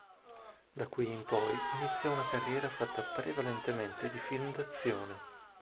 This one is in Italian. Da qui in poi iniziò una carriera fatta prevalentemente di film d'azione.